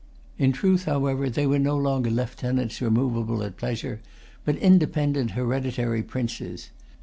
In truth, however, they were no longer lieutenants removable at pleasure, but independent hereditary princes.